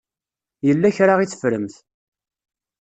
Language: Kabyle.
Yella kra i teffremt.